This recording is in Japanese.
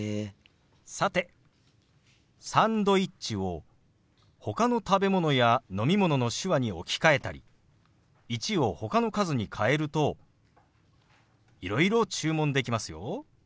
さて「サンドイッチ」をほかの食べ物や飲み物の手話に置き換えたり「１」をほかの数に変えるといろいろ注文できますよ。